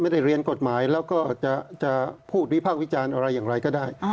เรียนกฎหมายแล้วก็จะพูดวิพากษ์วิจารณ์อะไรอย่างไรก็ได้